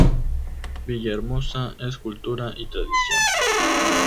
Villahermosa es cultura y tradición.